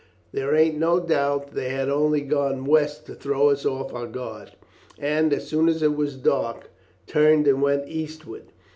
There ain't no doubt they had only gone west to throw us off our guard, and, as soon as it was dark, turned and went eastward.